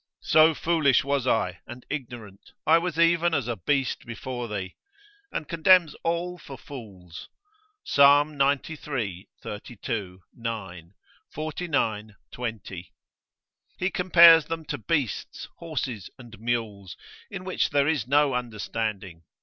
So foolish was I and ignorant, I was even as a beast before thee. And condemns all for fools, Psal. xciii.; xxxii. 9; xlix. 20. He compares them to beasts, horses, and mules, in which there is no understanding.